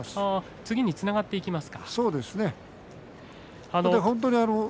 次につながっていきますか。